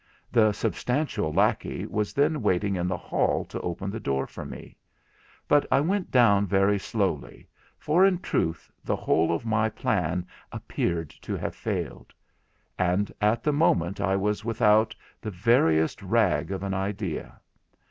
The substantial lackey was then waiting in the hall to open the door for me; but I went down very slowly, for in truth the whole of my plan appeared to have failed; and at that moment I was without the veriest rag of an idea.